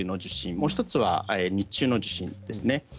もう１つは日中の受診ですね。